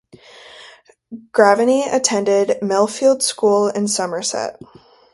Graveney attended Millfield School in Somerset.